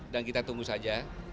dan kita tunggu saja